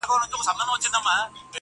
o په درنو دروند، په سپکو سپک!